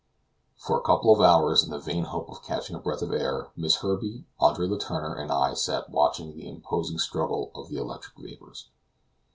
For a couple of hours, in the vain hope of catching a breath of air, Miss Herbey, Andre Letourneur, and I, sat watching the imposing struggle of the electric vapors.